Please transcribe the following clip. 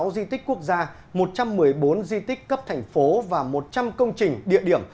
sáu di tích quốc gia một trăm một mươi bốn di tích cấp thành phố và một trăm linh công trình địa điểm